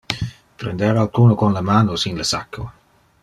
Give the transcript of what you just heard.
Prender alcuno con le manos in le sacco.